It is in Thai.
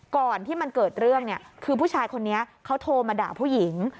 ก่อนที่มันเกิดเรื่องเนี่ยคือผู้ชายคนนี้เขาโทรมาด่าผู้หญิง